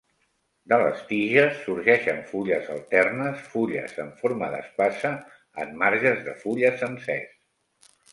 De les tiges sorgeixen fulles alternes, fulles amb forma d'espasa amb marges de fulla sencers.